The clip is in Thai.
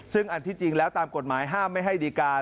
ซึ่งอันที่จริงแล้วตามกฎหมายห้ามไม่ให้ดีการ